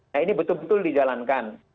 nah ini betul betul dijalankan